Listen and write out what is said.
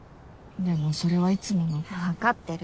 でもそれはいつもの。分かってる。